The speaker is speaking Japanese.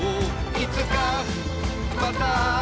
「いつかまた会おう」